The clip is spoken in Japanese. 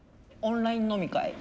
オンライン飲み会。